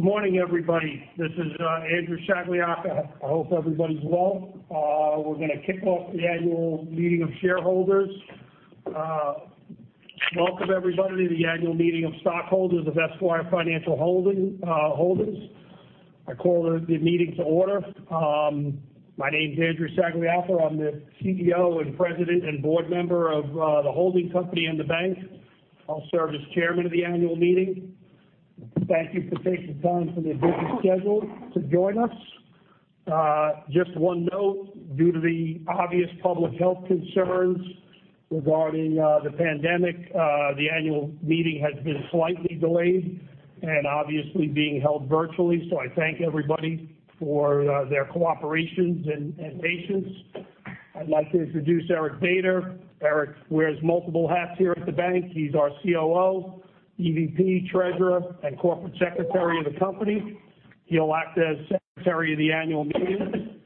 Good morning, everybody. This is Andrew Sagliocca. I hope everybody's well. We're going to kick off the annual meeting of shareholders. Welcome, everybody, to the annual meeting of stockholders of Esquire Financial Holdings. I call the meeting to order. My name's Andrew Sagliocca. I'm the CEO and President and Board Member of the holding company and the bank. I'll serve as Chairman of the annual meeting. Thank you for taking time from your busy schedule to join us. Just one note, due to the obvious public health concerns regarding the pandemic, the annual meeting has been slightly delayed and obviously being held virtually. I thank everybody for their cooperation and patience. I'd like to introduce Eric Bader. Eric wears multiple hats here at the bank. He's our COO, EVP, Treasurer, and Corporate Secretary of the company. He'll act as Secretary of the annual meeting.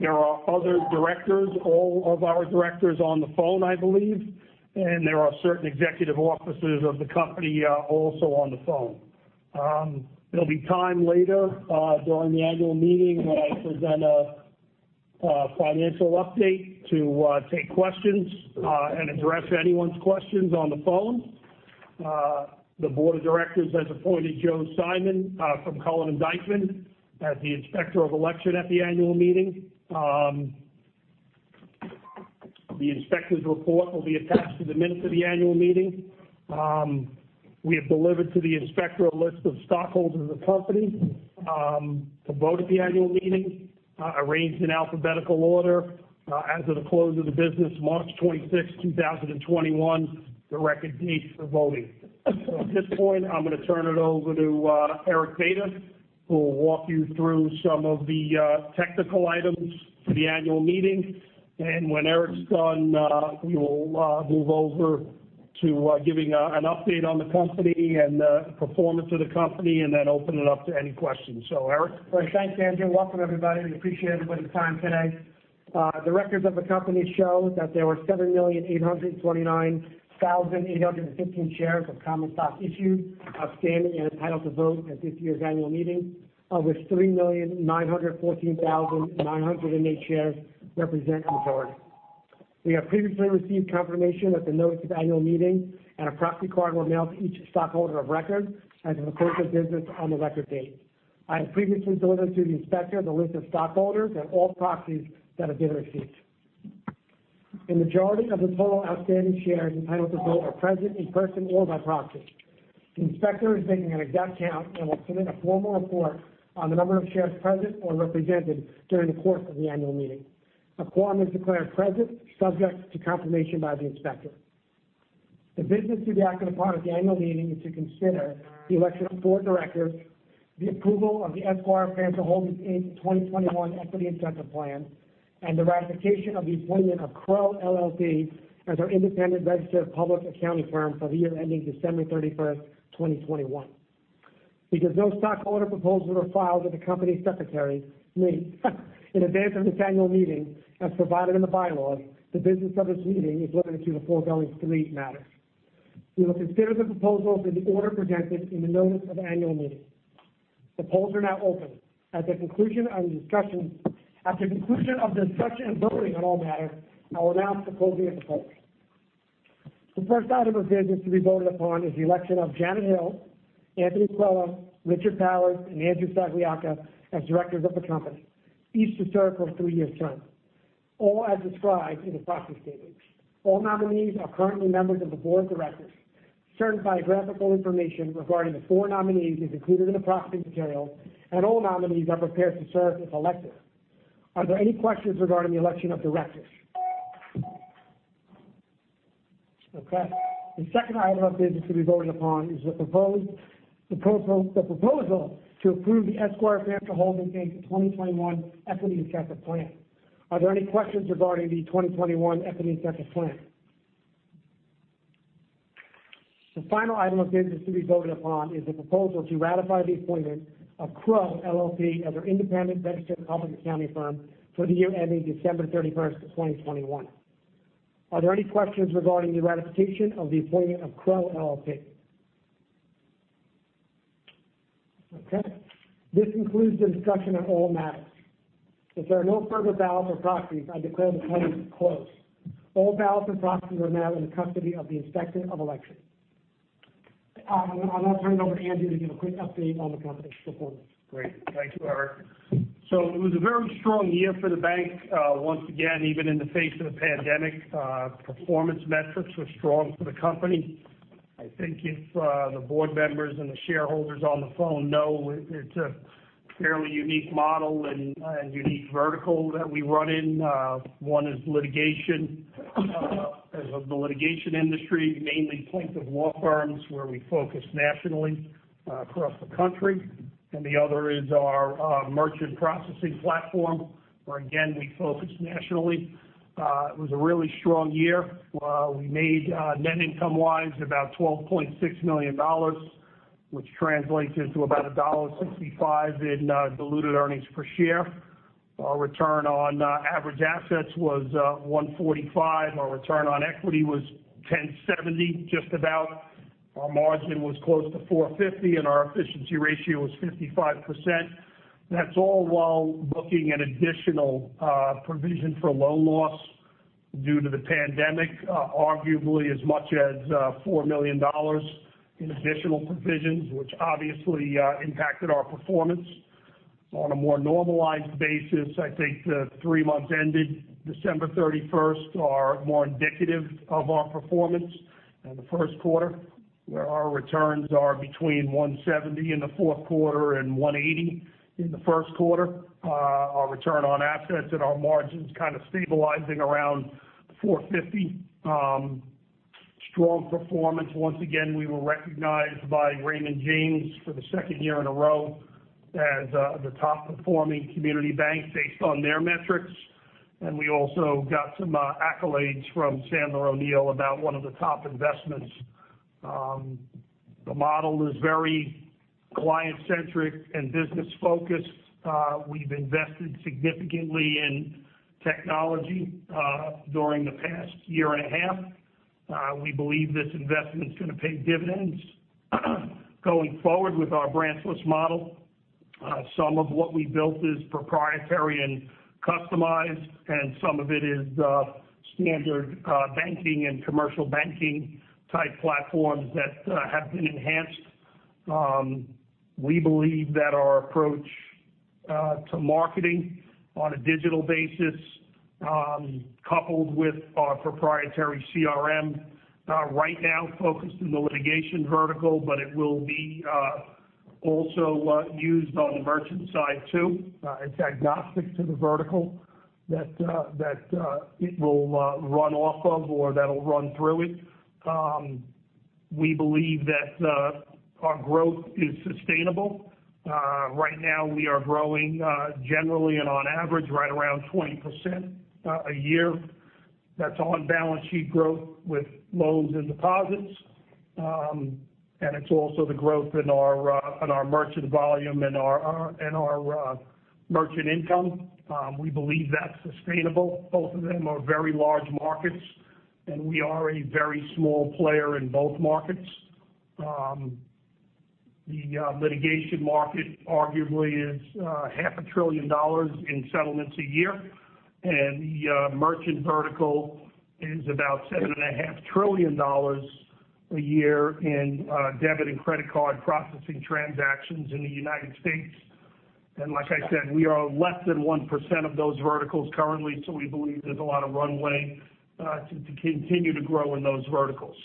There are other directors, all of our directors on the phone, I believe, and there are certain executive officers of the company also on the phone. There'll be time later during the annual meeting when I present a financial update to take questions and address anyone's questions on the phone. The board of directors has appointed Joe Simon from Cullen & Dykman as the Inspector of Election at the annual meeting. The inspector's report will be attached to the minutes of the annual meeting. We have delivered to the inspector a list of stockholders of the company to vote at the annual meeting, arranged in alphabetical order as of the close of the business March 26th, 2021, the record date for voting. At this point, I'm going to turn it over to Eric Bader, who will walk you through some of the technical items for the annual meeting. When Eric's done, we will move over to giving an update on the company and the performance of the company, and then open it up to any questions. Eric? Thanks, Andrew. Welcome, everybody. We appreciate everybody's time today. The records of the company show that there were 7,829,815 shares of common stock issued, outstanding, and entitled to vote at this year's annual meeting, of which 3,914,908 shares represent the majority. We have previously received confirmation that the notice of annual meeting and a proxy card were mailed to each stockholder of record as of the close of business on the record date. I have previously delivered to the inspector the list of stockholders and all proxies that have been received. The majority of the total outstanding shares entitled to vote are present in person or by proxy. The inspector is taking an exact count and will submit a formal report on the number of shares present or represented during the course of the annual meeting. A quorum is declared present subject to confirmation by the inspector. The business to be acted upon at the annual meeting is to consider the election of board directors, the approval of the Esquire Financial Holdings, Inc. 2021 Equity Incentive Plan, and the ratification of the appointment of Crowe LLP as our independent registered public accounting firm for the year ending December 31, 2021. Because no stockholder proposals were filed with the Company Secretary, me, in advance of this annual meeting as provided in the bylaws, the business of this meeting is limited to the foregoing three matters. We will consider the proposals in the order presented in the Notice of Annual Meeting. The polls are now open. After conclusion of the discussion and voting on all matters, I will announce the closing of the polls. The first item of business to be voted upon is the election of Janet Hill, Anthony Cella, Richard Powers, and Andrew Sagliocca as directors of the company, each to serve for a three-year term, all as described in the proxy statement. All nominees are currently members of the board of directors. Certain biographical information regarding the four nominees is included in the proxy material. All nominees have appeared to serve if elected. Are there any questions regarding the election of directors? Okay. The second item of business to be voted upon is the proposal to approve the Esquire Financial Holdings, Inc. 2021 Equity Incentive Plan. Are there any questions regarding the 2021 Equity Incentive Plan? The final item of business to be voted upon is the proposal to ratify the appointment of Crowe LLP as our independent registered public accounting firm for the year ending December 31st, 2021. Are there any questions regarding the ratification of the appointment of Crowe LLP? Okay. This concludes the discussion of all matters. As there are no further ballots or proxies, I declare the polling closed. All ballots and proxies are now in the custody of the Inspector of Election. I'm going to turn it over to Andrew to give a quick update on the company's performance. Great. Thank you, Eric. It was a very strong year for the bank. Once again, even in the face of the pandemic, performance metrics were strong for the company. I think if the board members and the shareholders on the phone know, it's a fairly unique model and unique vertical that we run in. One is of the litigation industry, namely plaintiff law firms where we focus nationally across the country, and the other is our merchant processing platform, where again, we focus nationally. It was a really strong year. We made net income-wise about $12.6 million, which translates into about $1.65 in diluted earnings per share. Our return on average assets was 1.45%. Our return on equity was 10.70%, just about. Our margin was close to 4.50%, and our efficiency ratio was 55%. That's all while booking an additional provision for loan loss due to the pandemic, arguably as much as $4 million in additional provisions, which obviously impacted our performance. On a more normalized basis, I think the three months ended December 31st are more indicative of our performance in the Q1, where our returns are between 170 in the Q4 and 180 in the Q1. Our return on assets and our margins stabilizing around 450. Strong performance. Once again, we were recognized by Raymond James for the second year in a row as the top-performing community bank based on their metrics. We also got some accolades from Sandler O'Neill about one of the top investments. The model is very client-centric and business-focused. We've invested significantly in technology during the past year and a half. We believe this investment's going to pay dividends going forward with our branchless model. Some of what we built is proprietary and customized, and some of it is standard banking and commercial banking-type platforms that have been enhanced. We believe that our approach to marketing on a digital basis, coupled with our proprietary CRM, right now focused in the litigation vertical, but it will be also used on the merchant side, too. It's agnostic to the vertical that it will run off of or that'll run through it. We believe that our growth is sustainable. Right now we are growing generally and on average right around 20% a year. That's on balance sheet growth with loans and deposits. It's also the growth in our merchant volume and our merchant income. We believe that's sustainable. Both of them are very large markets, and we are a very small player in both markets. The litigation market arguably is half a trillion dollars in settlements a year. The merchant vertical is about $7.5 trillion a year in debit and credit card processing transactions in the U.S. Like I said, we are less than 1% of those verticals currently. We believe there's a lot of runway to continue to grow in those verticals.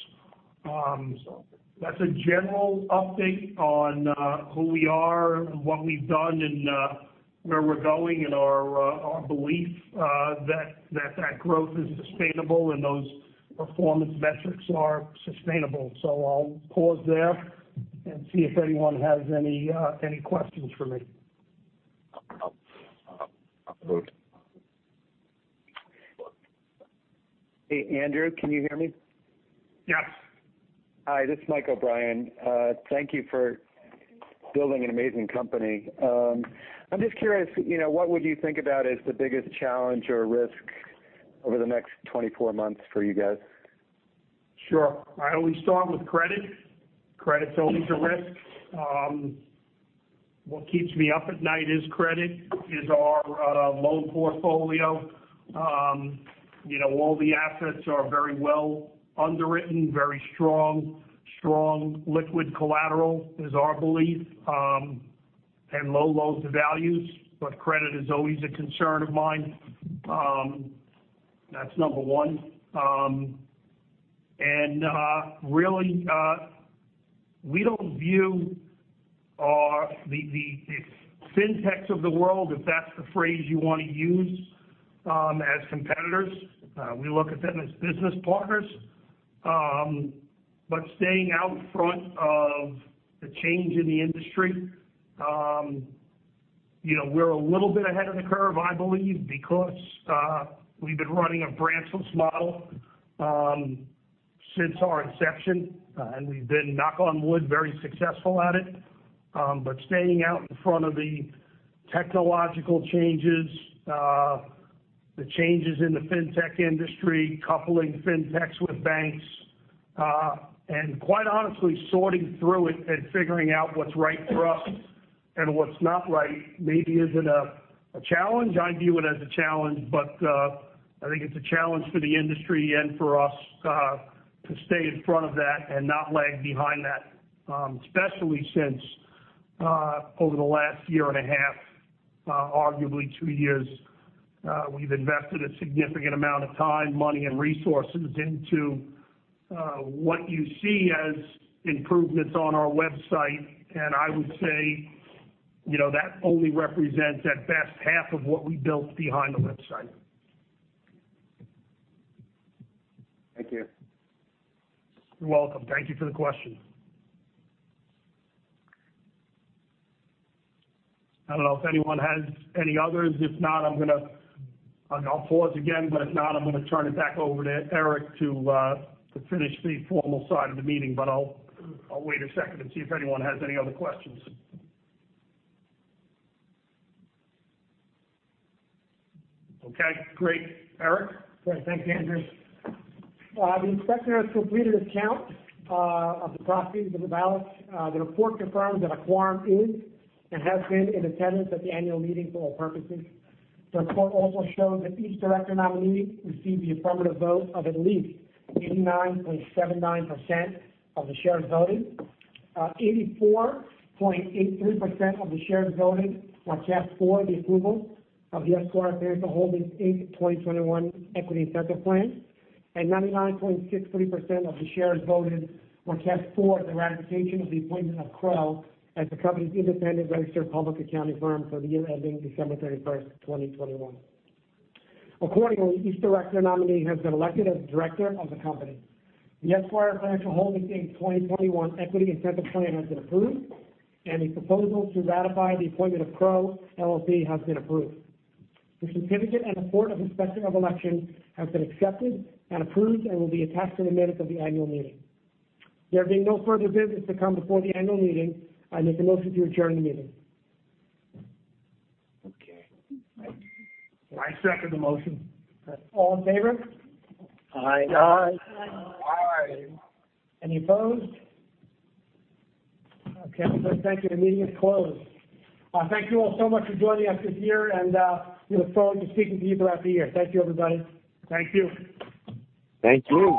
That's a general update on who we are and what we've done and where we're going and our belief that that growth is sustainable and those performance metrics are sustainable. I'll pause there and see if anyone has any questions for me. Hey, Andrew, can you hear me? Yes. Hi, this is Mike O'Brien. Thank you for building an amazing company. I'm just curious, what would you think about as the biggest challenge or risk over the next 24 months for you guys? Sure. We start with credit. Credit's always a risk. What keeps me up at night is credit, is our loan portfolio. All the assets are very well underwritten, very strong. Strong liquid collateral is our belief, and low loan-to-values. Credit is always a concern of mine. That's number one. Really, we don't view the fintechs of the world, if that's the phrase you want to use, as competitors. We look at them as business partners. Staying out front of the change in the industry. We're a little bit ahead of the curve, I believe, because we've been running a branchless model since our inception, and we've been, knock on wood, very successful at it. Staying out in front of the technological changes, the changes in the fintech industry, coupling fintechs with banks, and quite honestly, sorting through it and figuring out what's right for us and what's not right maybe isn't a challenge. I view it as a challenge, but I think it's a challenge for the industry and for us to stay in front of that and not lag behind that, especially since over the last year and a half, arguably two years, we've invested a significant amount of time, money, and resources into what you see as improvements on our website. I would say that only represents at best half of what we built behind the website. Thank you. You're welcome. Thank you for the question. I don't know if anyone has any others. If not, I'll pause again. If not, I'm going to turn it back over to Eric to finish the formal side of the meeting. I'll wait a second to see if anyone has any other questions. Okay, great. Eric? Thanks, Andrew. The inspector has completed a count of the proxies and the ballots. The report confirms that a quorum is and has been in attendance at the annual meeting for all purposes. The report also shows that each director nominee received the affirmative vote of at least 89.79% of the shares voting. 84.83% of the shares voting were cast for the approval of the Esquire Financial Holdings, Inc. 2021 Equity Incentive Plan. 99.63% of the shares voted were cast for the ratification of the appointment of Crowe as the company's independent registered public accounting firm for the year ending December 31, 2021. Accordingly, each director nominee has been elected as a director of the company. The Esquire Financial Holdings, Inc. 2021 Equity Incentive Plan has been approved, and the proposal to ratify the appointment of Crowe LLP has been approved. The certificate and report of the Inspector of Election has been accepted and approved and will be attached to the minutes of the annual meeting. There being no further business to come before the annual meeting, I make a motion to adjourn the meeting. Okay. I second the motion. All in favor? Aye. Aye. Any opposed? Okay, thank you. The meeting is closed. Thank you all so much for joining us this year, and we look forward to speaking to you after the year. Thank you, everybody. Thank you.